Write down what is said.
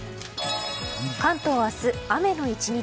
関東は明日、雨の１日。